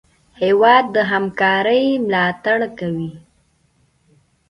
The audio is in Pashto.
هېواد د همکارۍ ملاتړ کوي.